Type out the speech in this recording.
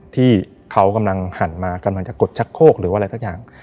ที่เขากำลังหันมากำลังจะกดชักโคกหรืออะไรสักอย่าง